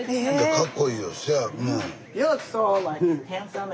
かっこいいよ背あるね。